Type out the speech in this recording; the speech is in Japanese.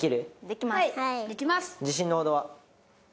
できます。